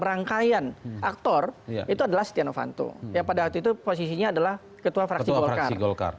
rangkaian aktor itu adalah setia novanto yang pada waktu itu posisinya adalah ketua fraksi golkar